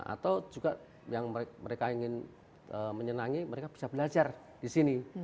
atau juga yang mereka ingin menyenangi mereka bisa belajar di sini